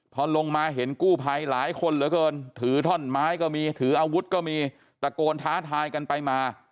พอลงมาเห็นกู้ภัยหลายคนเหลือเกินถือท่อนไม้ก็มีถืออาวุธก็มีตะโกนท้าทายกันไปมา